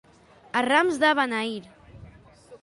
A rams de beneir.